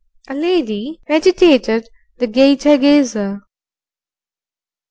"A lady," meditated the gaiter gazer.